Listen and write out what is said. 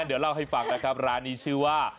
เดี๋ยวเล่าให้ฟังนะครับร้านนี้ชื่อว่า